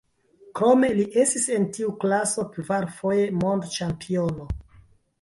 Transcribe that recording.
Krome li estis en tiu klaso kvar foje mondĉampiono.